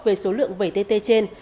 về số lượng vẩy tt trên